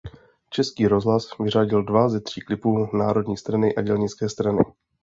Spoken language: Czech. Český rozhlas vyřadil dva ze tří klipů Národní strany a Dělnické strany.